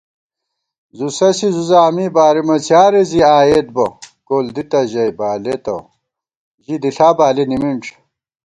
زُوسسِی زُوزامی، بارِمہ څیارےزِی آئیېت بہ * کول دِتہ ژَئی بالېتہ، ژی دِݪا بالی نِمِنݮ